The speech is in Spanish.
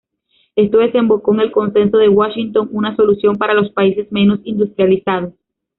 Esto desembocó en el Consenso de Washington, una solución para los países menos industrializados.